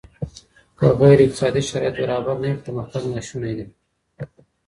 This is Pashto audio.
که غير اقتصادي شرايط برابر نه وي پرمختګ ناسونی دی.